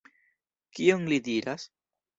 Kion li diras?